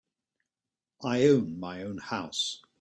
I own my own house.